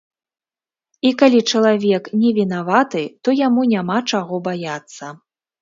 І калі чалавек не вінаваты, то яму няма чаго баяцца.